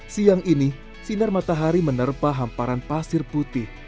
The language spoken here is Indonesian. siang ini sinar matahari menerpa hamparan pasir putih